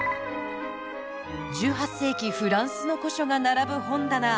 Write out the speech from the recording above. １８世紀フランスの古書が並ぶ本棚。